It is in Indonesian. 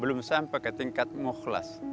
belum sampai ke tingkat mukhlas